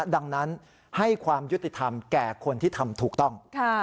ดังนั้นให้ความยุติธรรมแก่คนที่ทำถูกต้อง